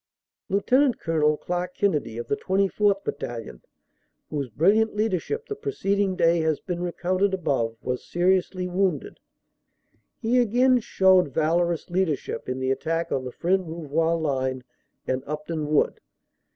Lt. Col. Clark Kennedy, of the 24th. Battalion, whose bril liant leadership the preceding day has been recounted above, was seriously wounded. He again showed valorous leadership in the attack on the Fresnes Rouvroy line and Upton Wood.